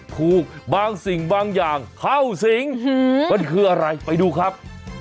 ถูกบางสิ่งบางอย่างเข้าสิงมันคืออะไรไปดูครับ